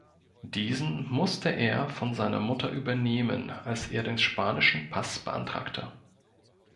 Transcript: Diesen musste er von seiner Mutter übernehmen, als er den spanischen Pass beantragte.